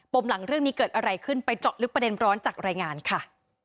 มหลังเรื่องนี้เกิดอะไรขึ้นไปเจาะลึกประเด็นร้อนจากรายงานค่ะ